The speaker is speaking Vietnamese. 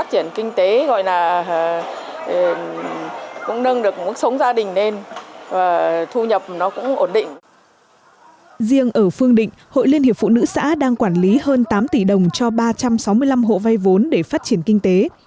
riêng ở phương định hội liên hiệp phụ nữ xã đang quản lý hơn tám tỷ đồng cho ba trăm sáu mươi năm hộ vay vốn để phát triển kinh tế